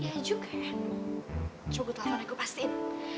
iya juga ya cukup telah mana gue pastiin